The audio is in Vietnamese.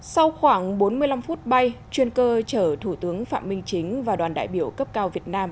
sau khoảng bốn mươi năm phút bay chuyên cơ chở thủ tướng phạm minh chính và đoàn đại biểu cấp cao việt nam